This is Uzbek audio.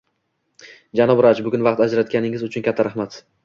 Janob Raj, bugun vaqt ajratganingiz uchun katta rahmat.